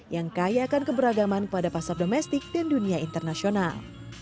yang kayakan keberagaman pada pasar domestik dan dunia internasional